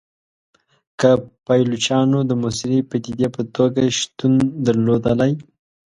که پایلوچانو د موثري پدیدې په توګه شتون درلودلای.